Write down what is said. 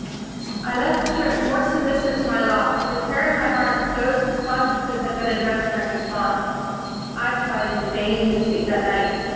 "I left the church more submissive to my lot, with a prayer in my heart that those whose consciences had been addressed might respond. I tried in vain to sleep that night.